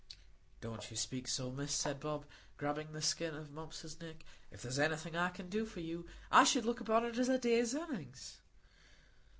"Don't you speak so, Miss," said Bob, grasping the skin of Mumps's neck; "if there's anything I can do for you, I should look upon it as a day's earnings."